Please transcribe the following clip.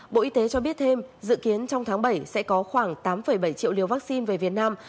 bộ y tế cho biết thêm dự kiến trong tháng bảy sẽ có khoảng tám bảy triệu liều vaccine về việt nam